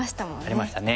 ありましたね。